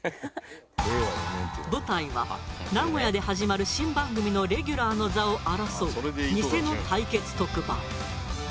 舞台は名古屋で始まる新番組のレギュラーの座を争う偽の対決特番。